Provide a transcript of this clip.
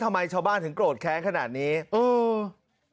ทำไมชาวบ้านถึงโกรธแค้นขนาดนี้อืม